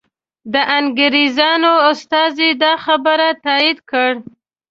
د انګریزانو استازي دا خبر تایید کړ.